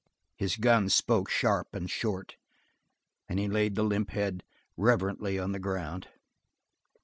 His gun spoke sharp and short and he laid the limp head reverently on the ground.